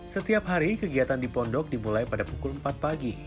setiap hari kegiatan di pondok dimulai pada pukul empat pagi